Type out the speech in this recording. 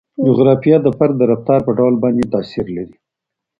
جغرافیه د فرد د رفتار په ډول باندې تاثیر لري.